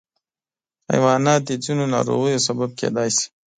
حیوانات د ځینو ناروغیو سبب کېدای شي.